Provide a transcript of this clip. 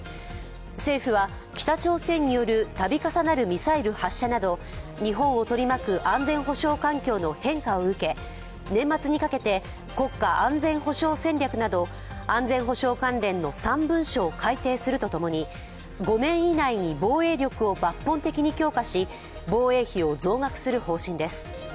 政府は北朝鮮による度重なるミサイル発射など日本を取り巻く安全保障環境の変化を受け年末にかけて国家安全保障戦略など安全保障関連の３文書を改訂するとともに４年以内に防衛力を抜本的に強化し防衛費を増額する方針です。